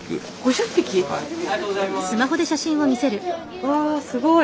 うわすごい！